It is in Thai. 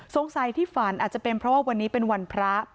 สงสัยที่ฝันอาจจะเป็นเพราะว่าวันนี้เป็นวันพระ